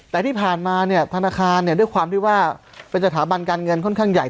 แต่ที่ผ่านมาเนี่ยธนาคารด้วยความที่ว่าเป็นสถาบันการเงินค่อนข้างใหญ่